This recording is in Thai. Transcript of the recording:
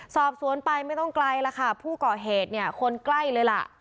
สอบสวนไปไม่ต้องไกลแล้วค่ะผู้ก่อเหตุเนี่ยคนใกล้เลยล่ะ